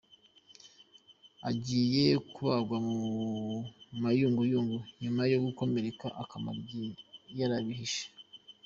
agiye kubagwa mu mayunguyungu nyuma yo gukomereka akamara igihe yarabihishe